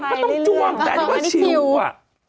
ก็ต้องจวงแต่อันนี้ก็ชิวอ่ะ